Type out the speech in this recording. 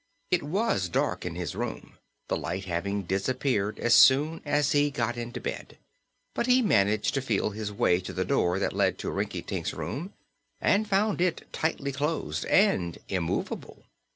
It was dark in his room, the light having disappeared as soon as he got into bed, but he managed to feel his way to the door that led to Rinkitink's room and found it tightly closed and immovable.